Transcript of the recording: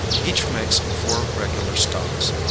Each makes four regular stops.